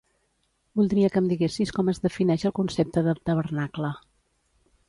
Voldria que em diguessis com es defineix el concepte de tabernacle.